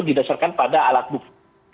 didasarkan pada alat buku